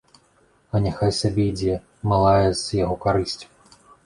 А няхай сабе ідзе, малая з яго карысць.